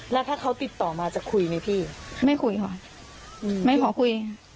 แล้วถ้าเขาติดต่อมาจะคุยไหมพี่ไม่คุยค่ะไม่ขอคุย